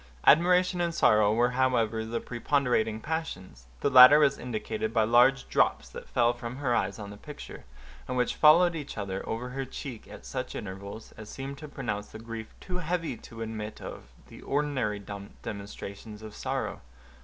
Admiration and sorrow were however the preponderating passions; the latter was indicated by large drops that fell from her eyes on the picture, and which followed each other over her cheek at such intervals, as seemed to pronounce the grief too heavy to admit of the ordinary demonstrations of sorrow.